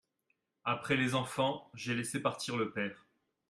Après les enfants, j'ai laissé partir le père.